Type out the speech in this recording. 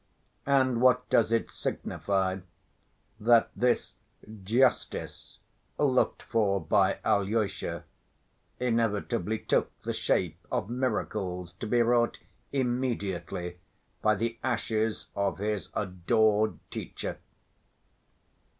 And what does it signify that this "justice" looked for by Alyosha inevitably took the shape of miracles to be wrought immediately by the ashes of his adored teacher?